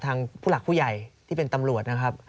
ผู้หลักผู้ใหญ่ที่เป็นตำรวจนะครับ